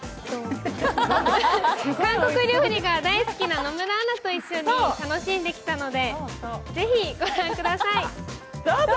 韓国料理が大好きな野村アナと一緒に楽しんできたので、ぜひ御覧ください、どうぞ。